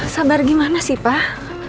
sabar gimana sih pak